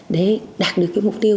để đạt được cái mục tiêu